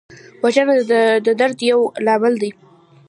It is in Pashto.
وژنه د درد یو لامل دی